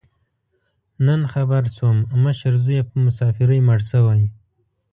نن خبر شوم، مشر زوی یې په مسافرۍ مړ شوی.